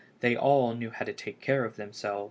They all knew how to take care of themselves.